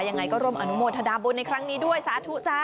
ยังไงก็ร่วมอนุโมทนาบุญในครั้งนี้ด้วยสาธุจ้า